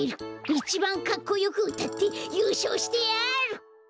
いちばんかっこよくうたってゆうしょうしてやる！